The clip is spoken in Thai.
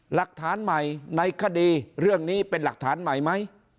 หลักฐานใหม่ในคดีเรื่องนี้เป็นหลักฐานใหม่ไหม